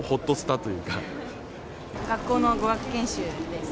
学校の語学研修です。